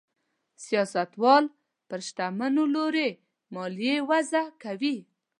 سیاستوال پر شتمنو لوړې مالیې وضع کوي.